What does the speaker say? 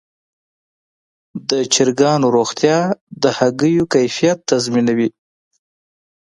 د چرګانو روغتیا د هګیو کیفیت تضمینوي.